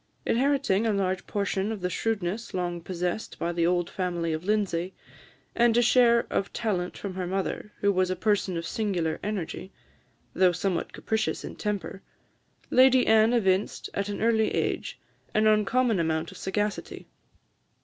Inheriting a large portion of the shrewdness long possessed by the old family of Lindsay, and a share of talent from her mother, who was a person of singular energy, though somewhat capricious in temper, Lady Anne evinced, at an early age, an uncommon amount of sagacity.